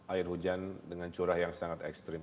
air hujan dengan curah yang sangat ekstrim